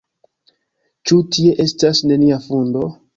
Ĉu tie estas nenia fundo?